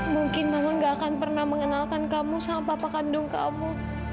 mungkin mama gak akan pernah mengenalkan kamu sama papa kandung kamu